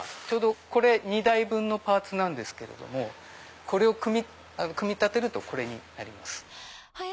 これ２台分のパーツなんですけれどもこれを組み立てるとこれになります。